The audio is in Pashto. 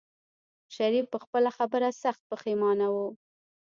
شريف په خپله خبره سخت پښېمانه و.